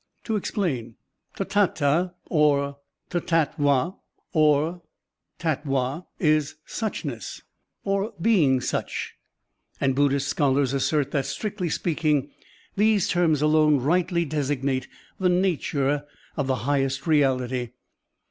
To explain: Tathdtd or tathatva or tattva is "suchness," or "being such," and Buddhist scholars assert that, strictly speaking, these terms alone rightly designate the nature of the highest reality.